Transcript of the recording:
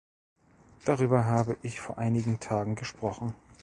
Darüber habe ich vor einigen Tagen gesprochen.